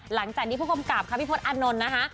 หลังจากที่ผู้กรรมกราบค้าพิภฎอานนท์นะคะ